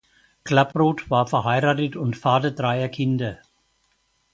Klapproth war verheiratet und Vater dreier Kinder.